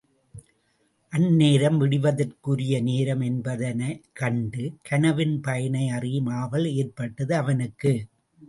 அந்நேரம் விடிவதற்கு உரிய நேரம் என்பதைக் கண்டு, கனவின் பயனை அறியும் ஆவல் ஏற்பட்டது அவனுக்கு.